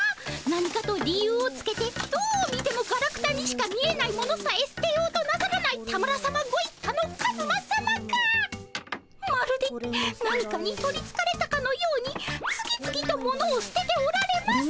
何かと理由をつけてどう見てもガラクタにしか見えない物さえ捨てようとなさらない田村さまご一家のカズマさまがまるで何かに取りつかれたかのように次々と物を捨てておられます。